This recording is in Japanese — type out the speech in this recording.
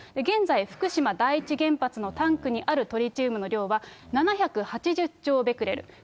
現在、福島第一原発のタンクにあるトリチウムの量は７８０兆ベクレル。